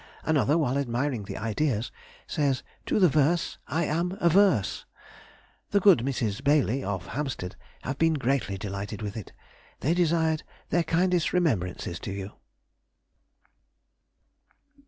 another, while admiring the ideas, says "to the verse I am averse." The good Misses Baillie, of Hampstead, have been greatly delighted with it. They desired their kindest remembrances to you.